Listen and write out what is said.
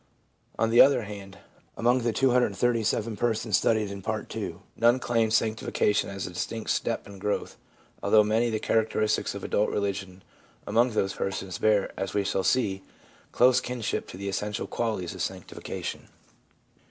On the other hand, among the 237 persons studied in Part II., none claimed sanctification as a distinct step in growth, although many of the characteristics of adult religion among those persons bear, as we shall see, close kinship to the essential qualities of sanctification.